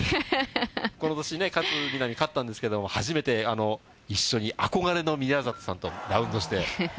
この年ね、勝みなみ、勝ったんですけれども、初めて一緒に、憧れの宮里さんとラウンドして。